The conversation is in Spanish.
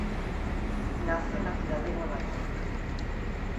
Nace en la ciudad de Nueva York.